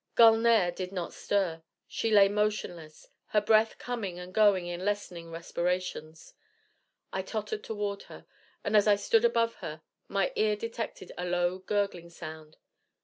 Gulnare did not stir. She lay motionless, her breath coming and going in lessening respirations. I tottered toward her, and as I stood above her, my ear detected a low gurgling sound.